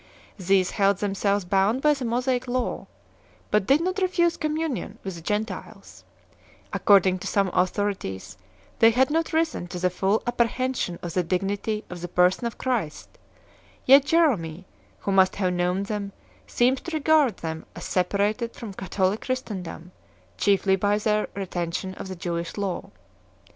These held themselves bound by the Mosaic law, but did not refuse communion with the Gentiles; according to some authorities 3 , they had not risen to the full apprehen sion of the dignity of the Person of Christ; yet Jerome, who must have known them, seems to regard them as separated from Catholic Christendom chiefly by their retention of the Jewish law.